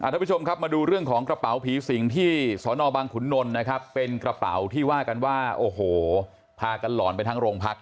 ทุกผู้ชมครับมาดูเรื่องของกระเป๋าผีสิงที่สอนอบังขุนนลนะครับเป็นกระเป๋าที่ว่ากันว่าโอ้โหพากันหลอนไปทั้งโรงพัก